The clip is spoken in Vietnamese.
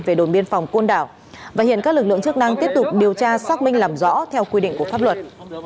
về đồn biên phòng côn đảo và hiện các lực lượng chức năng tiếp tục điều tra xác minh làm rõ theo quy định của pháp luật